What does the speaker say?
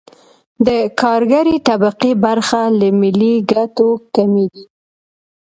د کارګرې طبقې برخه له ملي ګټو کمېږي